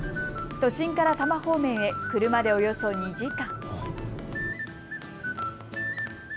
都心から多摩方面へ車でおよそ２時間。